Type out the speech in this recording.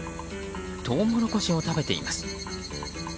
トウモロコシを食べています。